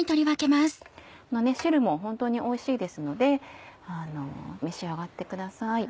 汁も本当においしいですので召し上がってください。